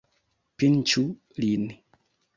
Pinĉu lin!